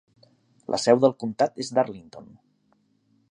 La seu del comptat és Darlington.